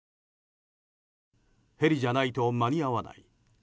ヘリじゃないと間に合わない。